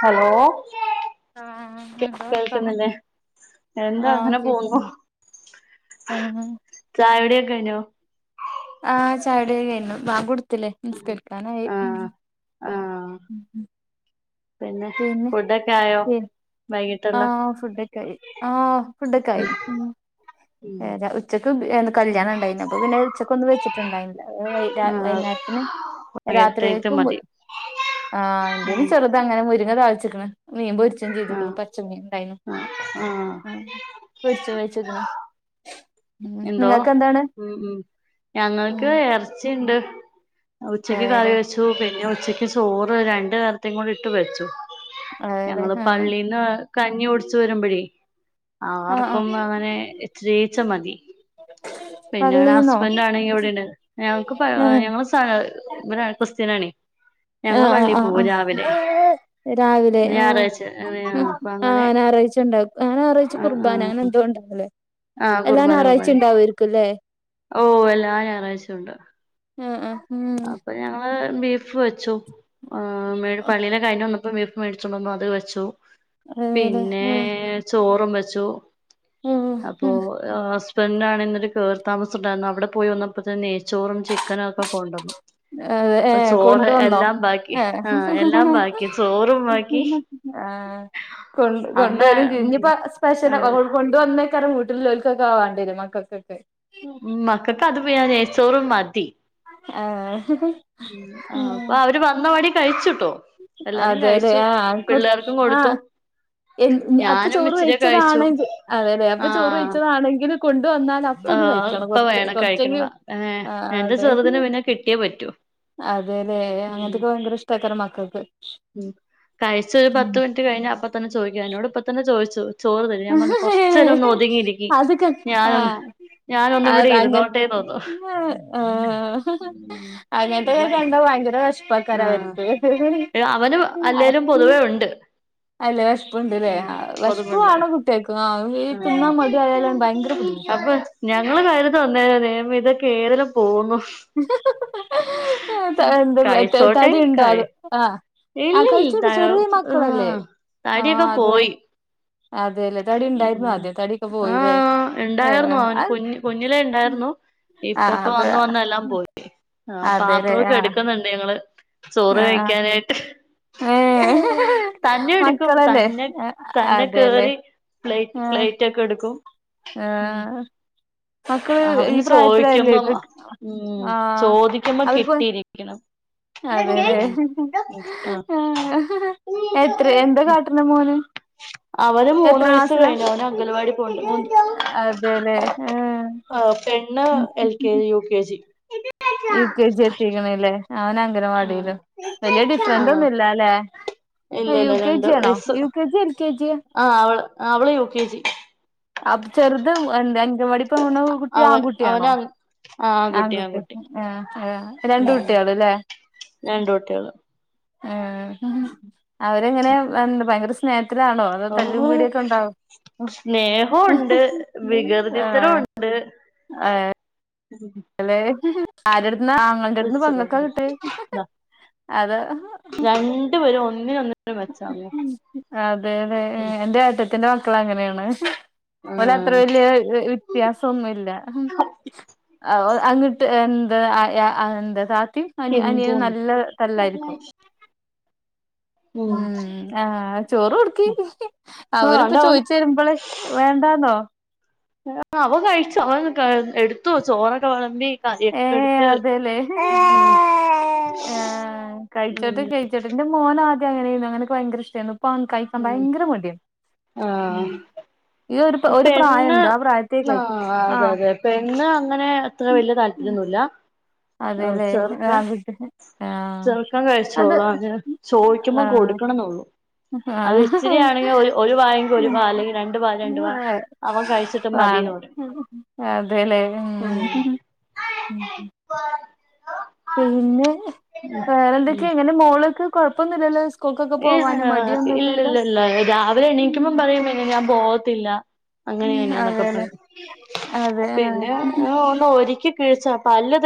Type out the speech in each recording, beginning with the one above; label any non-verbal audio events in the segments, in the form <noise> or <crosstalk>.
Hello ആഹ് എന്താ വർത്താനം കേൾക്കുന്നില്ലേ എന്താ അങ്ങനെ പോവുന്നു ആഹ ചായ കുടി കഴിഞ്ഞോ ആ ചായകുടി കഴിഞ്ഞ് ബാങ്ക് കൊടുത്തില്ലെ നിസ്കരിക്കാനായി ആഹ ഉം ഉം <unintelligible> പിന്നെ ഫുഡൊക്കെ ആയോ വൈകിട്ടുള്ള ആഹ ഫുഡൊക്കെ ആയി ആഹ ഫുഡൊക്കെ ആയി ഉ ഉം ഏ ഉച്ചയ്ക്ക് എന്ത് കല്യാണം ഉണ്ടായിരുന്നു അപ്പൊ പിന്നെ ഉച്ചക്കൊന്നും വെച്ചിട്ടുണ്ടായില്ല ആഹ് വൈകുന്നേരത്തിന് വൈകിട്ടേക്ക് രാത്രികൾക്ക് മതി ആ എന്ന് ഉം ചെറുത് മുരിങ്ങ താളിച്ചുക്ക്‌ണ് മീൻ പൊരിച്ചും ചെയ്ത്ക്ക്‌ണ് ആഹ് പച്ച മീൻ ണ്ടായിന് ആഹ് ആഹ് പൊരിച്ചും വെച്ച്ക്ക്‌ണ് എന്തോ ഉം ഉം ഉം ഞങ്ങൾക്ക് ണ്ട് ഉച്ചയ്ക്ക് അതെല്ലേ കറിവെച്ച് പിന്നെ ഉച്ചക്ക് ചോറ് രണ്ട് നേരത്തേക്കും കൂടെ വിട്ടു വെച്ചു അതെല്ലേ ഞങ്ങൾ ആഹ് പള്ളീന്ന് കഞ്ഞി ഓടിച്ചു വരുമ്പോഴേ ആഹ് ആഹ് ആർക്കും അങ്ങനെേച്ച ഇഛരിച്ച മതി പിന്നെ പള്ളീന്നോ ഹസ്ബൻറ് ആണെങ്ക ഇവിടെണ്ട് ഞങ്ങൾക്ക് ആഹ് <unintelligible> ഇവ ക്രിസ്ത്യനാണെ ഞങ്ങള് പള്ളി പോവും രാവിലെ ആ രാവിലെ ഞായറാഴ്ച അപ്പൊ അങ്ങനെ ആഹ് രാവിലെ ഞായറാഴ്ച ഉണ്ടാവും <unintelligible> ആ ആ കുർബാന അങ്ങനെ എന്തോ ഉണ്ടാവല്ലെ ആ എല്ല ഞായറഴ്ച ഉണ്ടാവയിരിക്കും ല്ലേ ഓഹ് എല്ലാ ഞായറാഴ്ചുണ്ട് ആഹ് ആഹ് ഉം അപ്പൊ ഞങ്ങള് ബീഫ് വെച്ചു മേട് പള്ളിയിലെ കഴിഞ്ഞ് ബീഫ് മേടിച് കൊണ്ടുവന്ന് അത് വെച്ചു അതേല്ലേ പിന്നെ ആഹ് ചോറും വെച്ചു ഉം അപ്പൊ ഉം ഹസ്ബൻഡ് ആണെങ്കി ഒരു കേറി താമസം ഉണ്ടായിരുന്നു അവിടെ പോയി വന്നപ്പോഴേക്കും നെയ്ച്ചോറും ചിക്കനും ഒക്കെ കൊണ്ടന്നു അതെ ഏഹ് കൊണ്ടുവന്നോ ബാക്കി ഏഹ് ആഹ് എല്ലാം ബാക്കി ചോറും ബാക്കി ആ കൊ അമ്മ കൊണ്ടുവരും എനി യൂം ഇഇനി ഇപ്പോൾ സ്പെഷ്യല്. ആഹ് കൊണ്ടുവന്നേക്കാരം വീട്ടിൽല്ലോൽകൊക്കെ മക്കൾക്ക് മക്കക്ക് വേറെ നെയ്ച്ചോറും മതി ഏഹ് ഉം അപ്പൊ അവര് വന്നവഴി കഴിച്ചു ട്ടോ അതെ അതെ ആഹ് കൊടുത്തു ആഹ് എ അപ്പൊ ഞാനും ചോറ് ഇച്ചിരി കഴിച്ചു കഴിച്ചതാണെങ്കിൽ അതെല്ലെ അപ്പൊ ചോറ് ആഹ് വഴിച്ചതാണെങ്കിലും കൊണ്ടുവന്നാൽ അപ്പൊ ഒന്ന് ആഹ് കഴിക്കണം ഇപ്പ കൊറച്ച് വേണം കഴിക്കണം കൊറച്ചെങ്കും ഏഹ് ആഹ് എന്റെ അതെ ചെറുതിന് പിന്നെ കിട്ടിയേ പറ്റൂ അതെല്ലേ ഉം അങ്ങൻത്തൊക്കെ ഭയങ്കര ഇഷ്ട്ടേക്കാരം മക്കൾക്ക് ഉം കഴിച്ച ഒരു പത്ത് മിനിറ്റ് കഴിഞ്ഞ അപ്പൊ തന്നെ ചോദിക്കും എനോട് ഇപ്പ തന്നെ ചോയ്ച്ചു അത്ക്ക ഞാനൊന്ന് ആഹ് ഞാനൊന്ന് അ ഇവിടെ അങ്ങ ഇരുന്നോട്ടേന്ന് പറഞ്ഞു ഉം ഉവ്വായി അങ്ങനത്തക്കക്കെണ്ടോ ഭയങ്കര വെഷമം ഉപ്പക്ക വരത്ത ആഹ് അതന്നെ അവന് അല്ലേലും പൊതുവേ ഉണ്ട് നല്ലേ വിഷ്പുണ്ട്ല്ലേ ഉം ആ വിഷ്പ പൊതുവുണ്ട് വാണം കുട്ടിയക്കും ആ ആഹ് തിന്നാൻ മടി ആയാലാണ് ഭയങ്കര ബുദ്ധിമുട്ട് അപ്പൊ ഞങ്ങള് കരുതും ദൈവമേ ഇതൊക്കെ ഏതിലെ പോവും എഹ് തടി ഉണ്ടോ അതോ ആഹ് ഇല്ല ഇല്ല ആ ആ തടിയൊക്കെ അതെ പോയി അതെല്ലേ തടി ഉണ്ടായിരുന്നു ഉം ആദ്യം തടിയൊക്കെ പോയില്ലേ ആഹ് ഏ ണ്ടായിരുന്നു അവന് കുഞ് കുഞ്ഞിലേ ഉണ്ടായിരുന്നു ഇപ്പ ആ ഇപ്പ അത് വന്ന് വന്ന എല്ലാം പോയി അതെല്ലേ പാത്രമൊക്കെ ആ എടുക്കുന്ന ണ്ട് ഞങ്ങള് ചോറ് ആ ആ കഴിക്കാനായിട്ട് ഏ തന്നെ എടുക്കും മക്കളല്ലേ തന്നെ തന്നെ അതെല്ലേ കേറി പ്ലേറ്റ് പ്ലേറ്റ് ഒക്കെ എടുക്കും ഉം ആഹ് മക്കള് ഈ അവന് പ്രായത്തിലല്ലേ ചോദിക്കുമ്പം ആഹ് അവർക്ക് ക്കണം.. അതെല്ലേ ആഹ് എത്ര എന്താ കാട്ടണ മോന്? അവന് എത്രമ് മൂന്ന് വയസ്സ് ക്ലാസില. കഴിഞ്ഞു അവന് അംഗൽവാടി പോണ്ട് അതെലെ ആ പെണ്ണ് L K G U K G U K G എത്തിക്കണല്ലേ അവൻ ആഹ് അംഗനവാടിയിലും വല്യ ഡിഫറൻറ് ആഹ് ഒന്നുല്ല ല്ലെ ഇല്ല യു ഇല്ല കെ രണ്ട് ജി ആണോ വയസ്സ് U K G L K G ആഹ് അവള് അവള് യുകെജി അപ്പൊ ചെർത് അംഗനവാടീൽ പോണു കുട്ടി അവൻ അവന് ആൺകുട്ടിയാണോ ആഹ് ആൺകുട്ടി ആഹ് ആഹ് രണ്ടു കുട്ടിയാൾ ലെ രണ്ടു കുട്ടിയാള് ഏഹ് അവരെങ്ങനെ എന്ത ഭയങ്കര സ്നേഹത്തിലാണോ? തല്ലും പിടിയൊക്കെ ണ്ടോ? സ്നേഹംണ്ട് ആഹ് വികൃതിത്തരംണ്ട്. ഉം.. അല്ലേ ആരെട്ത്ത്ന്നാ <unintelligible> ഒന്റെഎടുതന്ന് പെങ്ങൾക്ക കിട്ട്യേ ഹ് ഹ്... ദാ അതാ ഇങ്ങട്ട് വരും ഒന്നിനൊന്നു മെച്ചണ്.. അതെ ലെ ഏഹ് എന്റെ ഏട്ടത്തിന്റെ മക്കള അങ്ങനെയാണ് ഓൾ അത്ര ആഹ് വല്യ വ്യത്യാസംന്നുല്ല അങ്ങിട്ട് എന്താ എന്താ താത്തിയും അനിയനും എന്തോന്ന് നല്ല തല്ലായിരിക്കും. ഉം ആഹ് ചോറ് കൊടുക്കി. ആഹ് അണ്ട അവരിപ്പോ അവൻ ചോയ്ച്ചു വരുമ്പോള് വേണ്ടാന്നോ ആഹ് അവ കഴിച്ചോ അവൻ എടുത്തു ചോറൊക്കെ വളമ്പി ഏഹ് അതെലേ ആഹ് കഴിച്ചോട്ടെ ന്റെ മോൻ ആദ്യംങ്ങനെയായിരുന്നുഅങ്ങനെ ഒക്കെ ഭയങ്കര ഇഷടെയിന്നു പ്പോ കഴിക്കാൻ ഉം ഭയങ്കര മടിയ.. ആഹ് ഈ ഒരു പെണ്ണ് പ്രായണ്ട് ആ പ്രായത്തി കഴി ആഹ് ക്ക് അതെ ആഹ് അതെ പെണ്ണ് അങ്ങനെ അത്ര വലിയ താല്പര്യംന്നുല്ല. ആഹ് അതെല്ലേ ചെറുക്കൻ ആഹ് ആഹ് ചെറുക്കൻ അത് കഴിച്ചോളും അഹ് ചോയിക്കുമ്പോം ആഹ് കൊടുക്കണന്നള്ളൂ. അത് ആഹ് ഇച്ചിരിയാണെങ്കിൽ ഒരു വാ യെങ്കിൽ ഒരു വാ അല്ലെങ്കിൽ രണ്ടു വാ രണ്ടു വാ അവൻ കഴിച്ചിട്ട് മതി ആണ് പരിം അതെല്ലേ ഉമ് ഉം ഉം പ പിന്നെ വേറെ ഉം എന്തൊക്കെ എങ്ങനെ മോളൊക്കെ കൊഴപ്പൊന്നുംല്ലല്ലോ സ് ഇല്ലല്ല ഇല്ല രാവിലെ എണീക്കുമ്പം പറയുംപിന്നെ ഞാൻ പോകത്തില്ല അങ്ങനെയനെയന്നൊക്കെ അതെല്ലേ പറയും അതെ ആഹ് പിന്നെ ഒന്നോ ഒരിക്കി നീച പല്ല്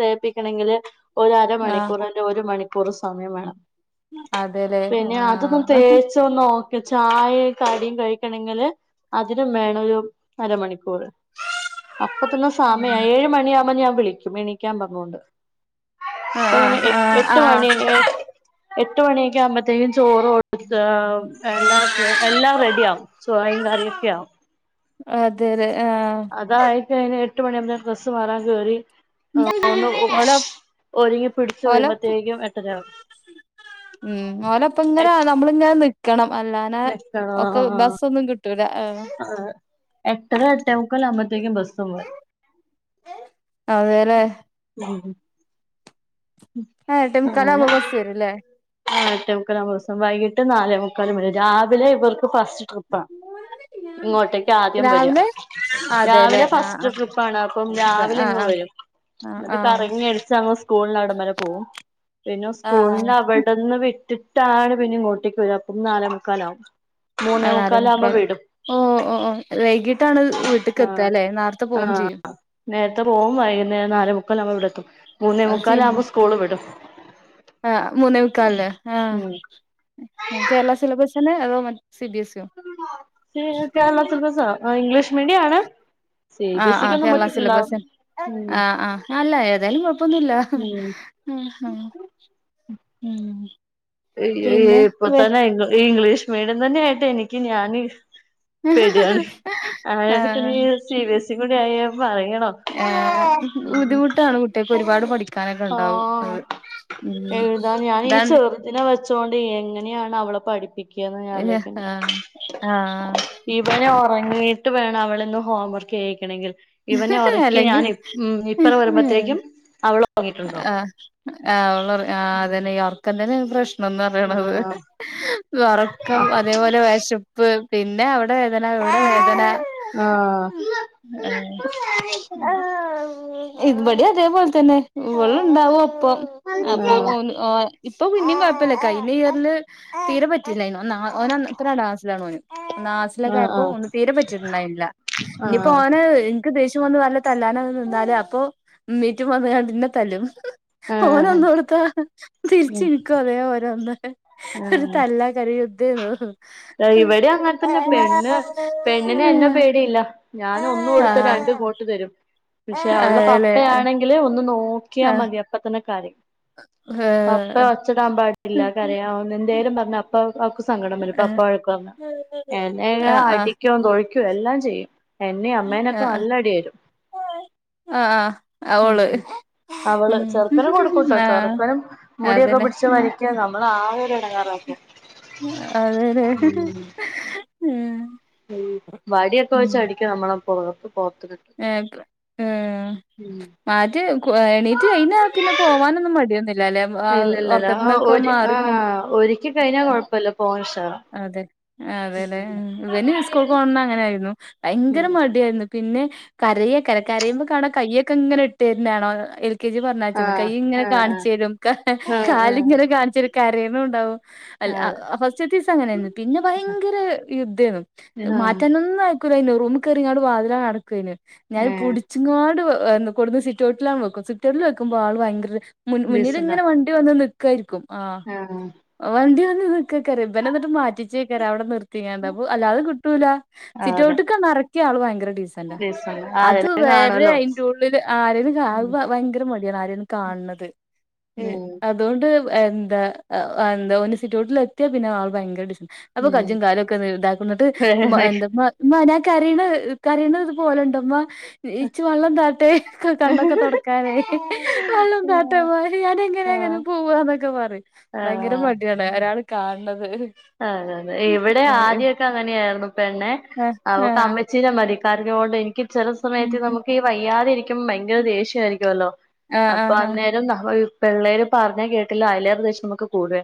തേപ്പിക്കണെങ്കില് ഒരുഅര ആഹ് മണിക്കൂറ് ഒരു മണിക്കൂറ് സമയം വേണം. അതെല്ലെ.. പിന്നെ അതൊന്നും തേച്ച ഒന്ന് നോക്കി ചായ കടിയും കഴിക്കണങ്കില് അതിനും വേണം ഒരു അരമണിക്കൂറ് അപ്പ തന്നെ സമയ ആയി ഏഴ് മണിയാകുമ്പോ ഞാൻ വിളിക്കും എണീക്കാൻ പറേഞ്ഞോണ്ട് എങ്ങനെ ആഹ് ആഹ് എട്ട് ആഹ് മണി എട്ട് മണിയൊക്കെ ആകുമ്പോത്തേനും ചോറൊ എല്ലാ എല്ലാം റെഡി ആവും ചോയെം കറിയൊക്കെ ആവും അതെലെ ആഹ്.. അതായി കഴിഞ്ഞാൽ എട്ട് മണിയാവുമ്പോത്തിനും ഡ്രസ്സ്‌ മാറാൻ കേറി ഓല ഒരുങ്ങി പിടിച്ചു ഓലപ്പ് വരുമ്പോത്തേക്കും എട്ടരആകും മ്മ് ഓലപ്പങ്ങനെ നമ്മള് ങ്ങനെ നിൽക്കണം അല്ലാ ന്ന ഒക്കെ ബസ്സ് ഒന്നും കിട്ടൂല ആഹ് ആഹ് എട്ടര എട്ടേ മുക്കാല് ആവുമ്പോതേക്കും ബസ് വരും അതേല്ലേ ഉം ആഹ് എട്ടേ മുക്കാൽ ആവുമ്പോ ബസ് വെരും ലേ ആഹ് എട്ടേ മുക്കൽ ആവുമ്പം ബസ്സേ രും വൈകിട്ട് നാലേ മുക്കാലും വര രാവിലെ ഇവർക്ക് ഫസ്റ്റ് ട്രിപ്പാ ഇങ്ങോട്ടേക്ക ആദ്യം വരാ രാവിലെ അതെല്ലേ രാവിലെ ഫസ്റ്റ് ആഹ് ട്രിപ്പാണ് അപ്പം രാവിലെ ആഹ് ഇങ്ങ് ആഹ് വരും ആഹ് എന്നിട്ട് ആഹ് കറങ്ങി അടിച്ച് അങ്ങ് സ്കൂളിന് അവിടം വരെ പോവും പിന്നെ ആഹ് സ്കൂളിന് ആഹ് അവടെ പെട്ടന്ന് വിട്ടിട്ടാണ് പിന്നെ ഇങ്ങോട്ടേക്ക് വര അപ്പം നാലേമുക്കാലാവും മൂന്നേ മുക്കാൽ ആവുമ്പം വിടും ഓ ഓ ഓഹ് വൈകീട്ടാണ് വീട്ട്ക്ക് ആഹ് എത്താല്ലെ നാർത്തെ പോവും ആഹ് ചെയ്യും നേരത്തെ പോകും വൈകുന്നേരം നാലേ മുക്കാൽ ആവുംമ്പ ഇവിടെത്തും മൂന്നേ മുക്കാൽ ആകുമ്പോ സ്കൂള് വിടും ആ മുന്നേ മുക്കാൽന്ന് ആഹ് ഉം കേരളാ സിലെബസ്ന്നെ അതോ സി ബി എസ്സി ഓ കേരളാ സിലബസാ ഇംഗ്ലീഷ് മീഡിയാണ് ആഹ് ആഹ് കേരളാ സിലബസ് ഉം ആ ആ അല്ല ഏതായാലും കൊഴപ്പൊന്നുല്ല ഉം മ് മ് മ് ഹ് അഹ് അഹ് ഇപ്പൊ തന്നെ ഇ ഇംഗ്ലീഷ് മീഡിയം തന്നെആയിട്ട് എനിക്ക് ഞാന് പെടാണ് ആ എടക്ക് ഇഞ് ആഹ് സി ബി എസ് ഇ കൂടി ആയ പറയണോ ഏ ഉം ബുദ്ധിമുട്ടാണ് കുട്ടികക്ക് ഒരുപാട് പഠിക്കാനൊക്കെ ഇണ്ടാവും ആഹ് അത് ഉം എഴുതാൻ ഞാൻ ഈ ഇതാണ് ചെറുതിനെ വെച്ചോണ്ട് എങ്ങനെയാണ് അവളെ പഠിപ്പിക്ക എഹ് ആ ആ ഇവൻ ഒറങ്ങിയിട്ട് വേണം അവൾ ഇന്ന് ഹോം വർക്ക് ചെയ്യിക്കണങ്കിൽ ഇവനെ ഒറക്കി അല്ലെങ്കിൽ ഞാൻ മ് ഇപ്പറ വരുമ്പഴത്തേക്കും അവള ആ ആ അതന്നെ ഒർക്കം തന്നെ ആണ് പ്രശ്ന ന്നത് ആഹ് ഒറക്കം അതേപോലെ വിശപ്പ് പിന്നെ വേദന ഇവിടെ വേദന ആഹ് <inaudible> ഇവടിം അതേപോലെ തന്നെ ഇ വളുംണ്ടാവും ഒപ്പം ആഹ് അപ്പൊ ആഹ് ആ ഇപ്പൊ പിന്നിം കോയപ്പല്ല കഴിഞ്ഞ ഇയറില് തീരെ പറ്റില്ലായിന്നു ഓൻ <unintelligible> ക്ലാസ്സിലാണ് ഓൻ ആഹ് ലായപ്പോ ആഹ് തീരെ പറ്റ്ണ്ടായില്ല ഇനിയിപ്പോ ആഹ് ഓനെ ഇൻക് ദേഷ്യം വന്നു വല്ല തല്ലാന നിന്നാല് അപ്പൊ ഇമീറ്റും വന്ന് കാണ്ട് ഇന്നെ തല്ലും ആഹ് ഓനൊന്നോടുത്താ തിരിച്ചി ഉം ഇൻക്കും അതേ ഓരന്ന് ഒരു ആഹ് തല്ലാക്കാരം യുദ്ദേന്നു. ഇവിടെ അങ്ങൻത്തന്നെ പെണ്ണ് പെണ്ണിൻ എന്നെ പേടിയില്ല ഞാൻ ഒന്ന് കൊടുത്ത രണ്ട് ഇങ്ങോട്ട് തരും. പക്ഷെ അവള അതെല്ലേ പപ്പയാണെങ്കില് ഒന്ന് നോക്കിയാൽ മതി അപ്പ തന്നെ കരയും. ഹേ അപ്പ ഒച്ചടാൻ പാടില്ല കരയാ എന്തേലും പറഞ്ഞ അപ്പ അവക്ക് സങ്കടം വരും പ്പ ആഹ് വഴക്ക് പറഞ്ഞാ എന്നെ ആഹ് ആഹ് അടി ക്കോ തൊഴിക്കോ എല്ലാം ചെയ്യും എന്നെ അമ്മേനൊക്കെ നല്ലടി തരും. ആ ആഹ് അവൾ ഉം ഉം അവള് ചെറുതിന് കൊടുക്കൂട്ടോ ചെറുക്കനും മുടിയൊക്കെ അതന്നെ പിടിച്ച് ഉം വലിക്ക നമ്മള് ആ ഒരു ഇടങ്ങാറാക്കും അതെതെ മ് മ് വടിയൊക്കെ വെച്ച് അടിക്കും നമ്മളെ പോറത്ത് പോറത്ത് ഏ പ് ഹേ മാറ്റി എണീറ്റ് കഴിഞ്ഞ പിന്നെ പോവാനൊന്നും മടിയൊന്നില്ലാല്ലെ ഇല്ല ഇല്ലല്ല -ആ- ആ -ഒരിക്കി -കഴിഞ്ഞാൽ കുഴപ്പല്ല പോവാൻ ഉഷ അതെ അതെല്ലെ ഇവന് സ്കൂൾ പോക്ണന്ന് അങ്ങനെയിരുന്നു ഉം ഭയങ്കര മടിയായിരുന്നു പിന്നെ കരയെക്കാരം കരയുമ്പോ കാണാ കയ്യൊക്കെ ഇങ്ങനെ ഇട്ട് തര്ണാണാ എൽ കെജി പറഞ്ഞയച്ചത് ആഹ് കൈ ഇങ്ങനെ ആഹ് കാണിച്ചരും ആഹ് ആഹ് കാലിങ്ങനെ കാണിച്ചരും കരയ്ണുംണ്ടാവും അല്ല ആഹ് അതെ അ ഫസ്റ്റത്തീസങ്ങനെയ് പിന്നെ ഭയങ്കര യുദ്ധൈനു ആഹ് മാറ്റാൻ ഒന്നയകൂലൈനു റൂമ്കേറിങ്ങാട് വാതിലടക്കൈനു ഏഹ് ഞാന്പുട്ച്ച് ങ്ങോട് എന്ത് കൊടുന്ന് സിറ്റോട്ടിലാണ്വെക്കും സിറ്റോട്ടില് വെക്കുമ്പോ ആൾഭയങ്കര മുൻ ഡീസന്റാ മുന്നിലിങ്ങനെ വണ്ട് വണ്ടിവന്ന് നിക്കേയിരിക്കും ആ ആഹ് വണ്ടിവന്ന് നിക്കക്കാരം ബ്നെന്നിട്ട് മാറ്റിച്ച് ചൈകാര്യം അവിടെ നിർത്തിങ്ങാണ്ട് അപ്പൊ അല്ലാതെകിട്ടൂല അതെ സിറ്റൗട്ട്ക്കങ്ങറക്കിയ ആള് ഭയര ഡീസന് അല്ല ഡീസന്റ് അത് ആരേലും വരെ കാണുവല്ലോ അയിന്റെഉള്ളില് ഉം ആരെലുംകാണുമ്പ ഭയങ്കര മടിയാണ് ആരേലും കാണ്ണുന്നത്. ഉം അതുകൊണ്ട് എന്താ അന്താ സിറ്റൗട്ടിലെത്തിയാ പിന്നെ ആൾ ഭയങ്കര ഡീസൻ്റാ അപ്പൊ കജ്ജും ഉം കാലൊക്കെ ഇതാക്കുന്നിട്ട് എന്താ മ ഞാന കറീണ് കറീണത് പോലെണ്ടമ്മ ഇച്ച് വള്ളം താട്ട് കണ്ണൊക്കെ തൊടക്കാനേ വള്ളം താട്ട്മ്മ ഞാനെങ്ങനെ ആഹ് പോവാന്നൊക്കെ പറയും ആഹ് താണ് ഒരാള് കാണ്ണത്. അതെ അതെ ഇവിടെ ആദ്യൊക്കെ അങ്ങനെയായിരുന്നു പിന്നെ ആഹ് അവൊക്കെ ആഹ് അമ്മച്ചി ചെലെമടി കാരണോണ്ടൈ എനിക്ക് ചെലസമയത്ത് നമുക്കീ വയ്യാതിരിക്കുമ്പോ ഭയങ്കരദേഷ്യയ്ര്കോലൊ ആഹ് അപ്പൊ ആഹ് ആഹ് അന്നേരം നാപറിം പിള്ളേര് പറഞ്ഞാ കേട്ടില്ല അയിലേറെ ദേഷ്യമൊക്കെകൂടെ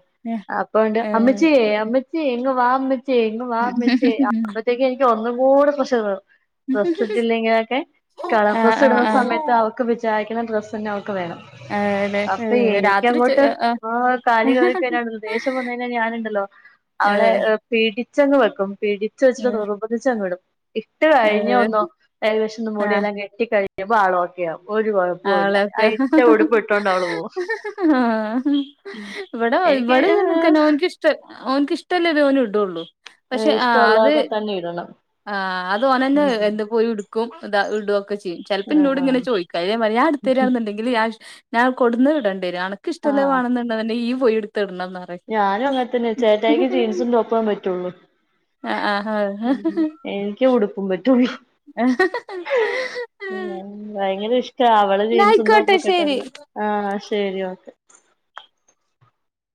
അപ്പണ്ട് ഏഹ് ഏഹ് അമ്മച്ച്യേ മ്മച്ചേ ഇങ്ങ് വാമ്മച്ചേ ഇങ് വാമ്മിച്ചേ അപ്പത്തേക്ക് എനിക്ക് ഒന്നുംകൂടെ പ്രശറ്കേറും. ഡ്രസ്സിട്ടില്ലെങ്കിലൊക്കെ കളർ ആഹ് ആഹ് ഡ്രസ്സെടുന്ന ആഹ് സമയത്ത് അവൾക്ക് വിചാരിക്കുന്ന ഡ്രസ്സന്നെ അവൾക്ക് വേണം. ആഹ് ലെ അപ്പൊ രാത്രി ചെ എനിക്കങ്ങോട്ട് ആഹ് ആ കലികേറിക്കയ്ണല്ലോ ദേഷ്യംവന്നയ്ഞാ ഞാനുണ്ടല്ലോ? അവളെ ഏഹ് പീടിച്ചങ് വെക്കും പീടിച്ച്വെച്ചിട്ട് ഏഹ് നിർബന്ധിച്ചങ്ങിടും. ഇട്ട് ഏഹ് കഴിഞ്ഞന്നാ ആഹ് ഏകദേശംമുടിയെല്ലാം കെട്ടി കഴിയുമ്പോ ആളോക്കെയാകും ഒരുകോയ ആളൊക്കെ പോവും ഹഹ ഹാ ഇവിടെ എനിക്ക് ഇവിടെൻക്കന്നെ ഓൻക്ക്ഷ്ട ഓൻകിഷ്ടല്ലേതേ ഓല്ടൊള്ളൂ. പക്ഷെ ആ അത് ഇഷ്ടമുള്ളതൊക്കെ തന്നെ ഇടണം ആ അത് ഓനന്നെ ഉം എന്ത് പോയിടും. കൂം എന്താ ഇടൊക്കെചെയ്യും ചിലപ്പോ ഇന്നോട്ങ്ങനെ ആഹ് ചോയ്ക്ക <unintelligible> ടുത്തെരാ ഇല്ലങ്കില് ഞാൻ കൊടുന്നത് ഇടണ്ടേരും ആഹ് അണക്കിഷ്ടല്ലേവാണംന്ണ്ടൻകില് ഇയ്യ് പോയിട്ത്ത്ടണംനർ ഞാനും അങ്ങനെ തന്നെ ചേട്ടായിക്ക് ജീൻസും ടോപ്പം പറ്റുള്ളു. ആ ആ ഹ കെ ഉടുപ്പുംപറ്റൂവി ഉം ഭയങ്കരിഷ്ട അവളെ എന്നാ ജീൻസും ആയിക്കോട്ടെ ശരി ടോപ്പൊക്കെട്ടോണ്ട് ആഹ ശെരി ഓക്കെ